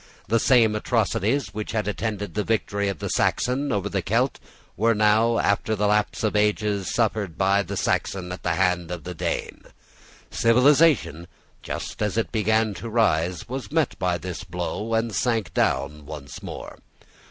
The same atrocities which had attended the victory of the Saxon over the Celt were now, after the lapse of ages, suffered by the Saxon at the hand of the Dane. Civilization, just as it began to rise, was met by this blow, and sank down once more.